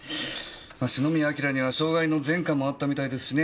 ま篠宮彬には傷害の前科もあったみたいですしね